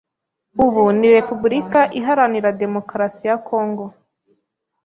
ubu ni Repubulika iharanira Demokarasi ya Kongo